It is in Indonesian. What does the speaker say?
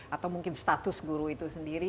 atau mungkin status guru itu sendiri